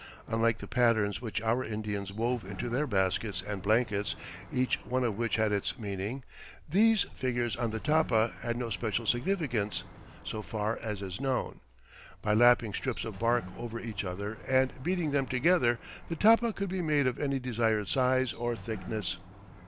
Unlike the patterns which our Indians wove into their baskets and blankets, each one of which had its meaning, these figures on the tapa had no special significance, so far as is known. By lapping strips of bark over each other and beating them together, the tapa could be made of any desired size or thickness.